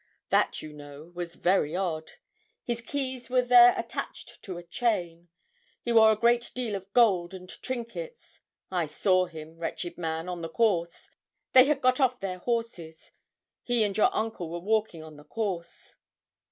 That, you know, was very odd. His keys were there attached to a chain. He wore a great deal of gold and trinkets. I saw him, wretched man, on the course. They had got off their horses. He and your uncle were walking on the course.'